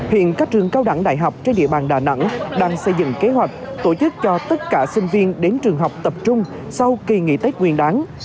hiện các trường cao đẳng đại học trên địa bàn đà nẵng đang xây dựng kế hoạch tổ chức cho tất cả sinh viên đến trường học tập trung sau kỳ nghỉ tết nguyên đáng